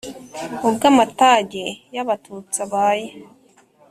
ubwo amatage y’abatutsi abaye,